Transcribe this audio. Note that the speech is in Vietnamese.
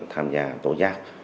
tham gia tối giác